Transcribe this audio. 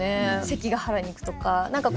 関ヶ原に行くとか